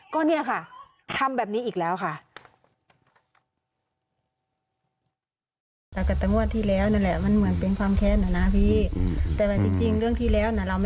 ก็เนี่ยค่ะทำแบบนี้อีกแล้วค่ะ